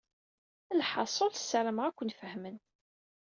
Lḥaṣul, ssarameɣ ad ken-fehmen.